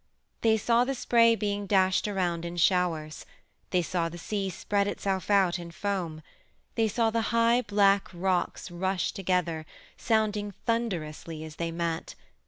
They saw the spray being dashed around in showers; they saw the sea spread itself out in foam; they saw the high, black rocks rush together, sounding thunderously as they met.